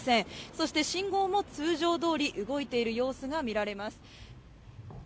そして信号も通常どおり動いている様子が見られます。